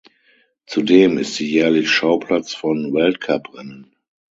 Zudem ist sie jährlich Schauplatz von Weltcuprennen.